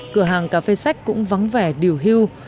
cửa hàng cà phê sách cũng vắng vẻ điều hưu